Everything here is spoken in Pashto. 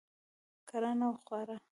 کرنه او خواړه